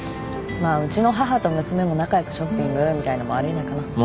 まあうちの母と娘も仲良くショッピングみたいのもあり得ないかな。